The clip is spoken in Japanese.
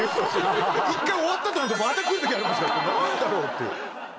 一回終わったと思ったらまた来るときありますから、これ、なんだろうっていう。